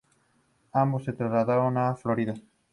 Ambos se trasladaron a Florida.